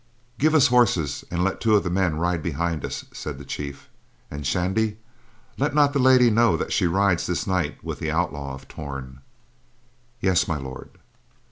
"Give us horses, and let two of the men ride behind us," said the chief. "And, Shandy, let not the lady know that she rides this night with the Outlaw of Torn." "Yes, My Lord."